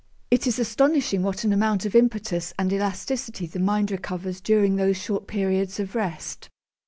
It is astonishing what an amount of impetus and elasticity the mind recovers during those short periods of rest.